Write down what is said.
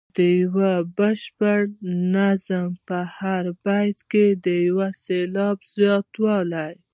د یو بشپړ نظم په هر بیت کې د یو سېلاب زیاتوالی.